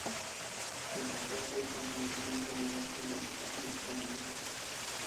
El naftaleno es el componente más abundante del alquitrán de hulla.